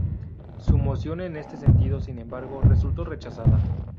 Su moción en este sentido, sin embargo, resultó rechazada.